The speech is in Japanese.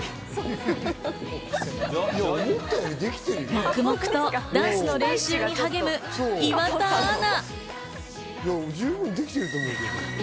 黙々とダンスの練習に励む岩田アナ。